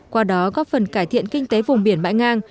qua đó góp phần cải thiện kinh tế vùng biển bãi ngang